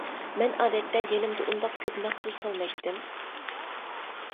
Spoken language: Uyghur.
مەن ئادەتتە يېنىمدا ئۇنداق كۆپ نەق پۇل سالمايتتىم.